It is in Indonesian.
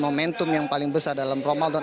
momentum yang paling besar dalam ramadan